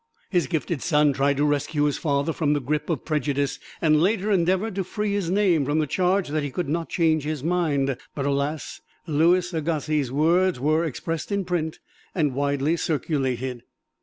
His gifted son tried to rescue his father from the grip of prejudice, and later endeavored to free his name from the charge that he could not change his mind, but alas! Louis Agassiz's words were expressed in print, and widely circulated.